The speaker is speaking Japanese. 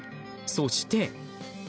そして。